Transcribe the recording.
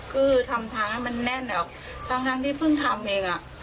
คือทำทางให้มันแน่นอะทั้งที่เพิ่งทำเองอ่ะ